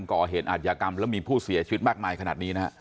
ก่อเหตุอาทยากรรมแล้วมีผู้เสียชีวิตมากมายขนาดนี้นะฮะ